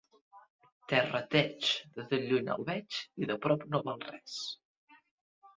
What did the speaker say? Terrateig, de lluny el veig i de prop no val res.